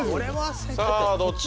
さぁどっち？